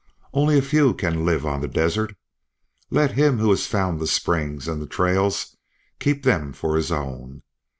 Only a few can live on the desert. Let him who has found the springs and the trails keep them for his own.